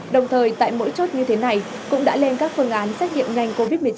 đồng thời tại mỗi chốt như thế này cũng đã lên các phương án xét nghiệm nhanh covid một mươi chín